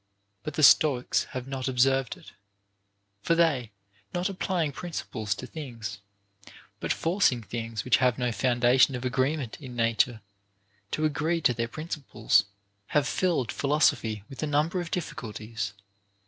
But the Stoics have not observed it ; for they, not applying principles to things, but forcing things which have no foundation of agreement in nature to agree to their principles, have filled philosophy with a number of difficulties.